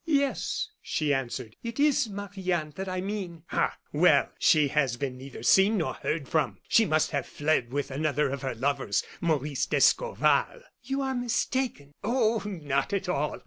"Yes," she answered; "it is Marie Anne that I mean." "Ah, well! she has been neither seen nor heard from. She must have fled with another of her lovers, Maurice d'Escorval." "You are mistaken." "Oh, not at all!